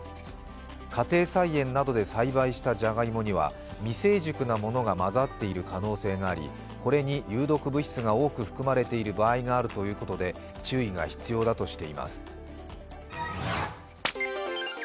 家庭菜園などで栽培したじゃがいもには未成熟なものが交ざっている可能性がありこれに有毒物質が多く含まれている場合があるということで注意が必要だとしています。